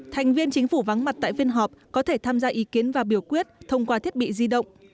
thành viên chính phủ vắng mặt tại phiên họp có thể tham gia ý kiến và biểu quyết thông qua thiết bị di động